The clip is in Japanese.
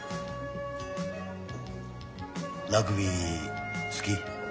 ラグビー好き？